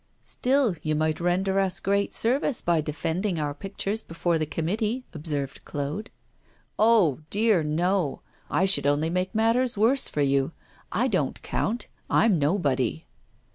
'Still, you might render us great service by defending our pictures before the committee,' observed Claude. 'Oh, dear, no! I should only make matters worse for you I don't count; I'm nobody.